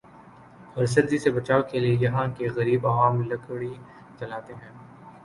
اور سردی سے بچائو کے لئے یہاں کے غریب عوام لکڑی جلاتے ہیں ۔